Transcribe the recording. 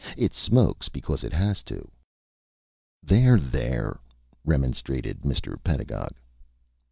It smokes because it has to." "There! there!" remonstrated Mr. Pedagog.